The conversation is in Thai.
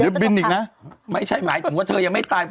เดี๋ยวบินอีกนะไม่ใช่หมายถึงว่าเธอยังไม่ตาย